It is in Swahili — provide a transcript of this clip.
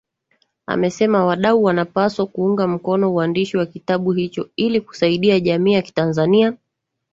Amesema wadau wanapaswa kuunga mkono uandishi wa kitabu hicho ili kusaidia jamii ya Kitanzania